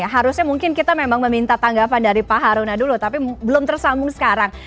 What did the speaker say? harusnya mungkin kita memang meminta tanggapan dari pak haruna dulu tapi belum tersambung sekarang